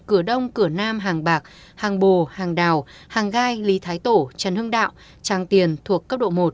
cửa đông cửa nam hàng bạc hàng bồ hàng đào hàng gai lý thái tổ trần hưng đạo tràng tiền thuộc cấp độ một